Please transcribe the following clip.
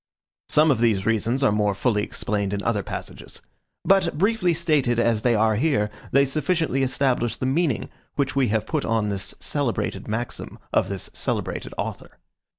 Some of these reasons are more fully explained in other passages; but briefly stated as they are here, they sufficiently establish the meaning which we have put on this celebrated maxim of this celebrated author.